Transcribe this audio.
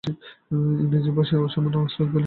ইংরেজি-ভাষায় অসামান্য ওস্তাদ বলিয়া জগমোহনের খ্যাতি।